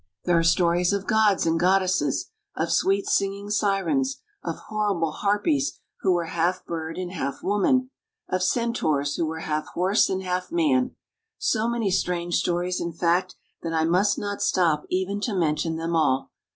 There are stories of gods and goddesses, of sweet singing sirens, of horrible harpies who were half bird and half woman, of centaurs who were half horse and half man; so many strange stories, in fact, that I must not stop even to mention them all.